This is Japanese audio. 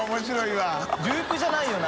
ループじゃないよな。